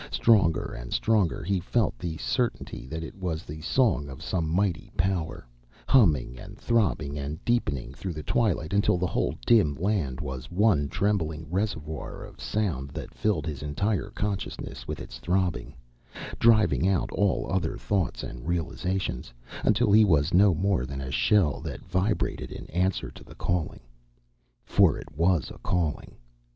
Stronger and stronger he felt the certainty that it was the song of some mighty power, humming and throbbing and deepening through the twilight until the whole dim land was one trembling reservoir of sound that filled his entire consciousness with its throbbing, driving out all other thoughts and realizations, until he was no more than a shell that vibrated in answer to the calling. For it was a calling.